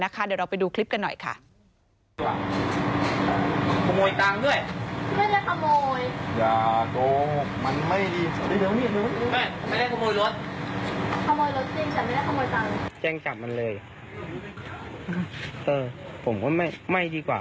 เดี๋ยวเราไปดูคลิปกันหน่อยค่ะ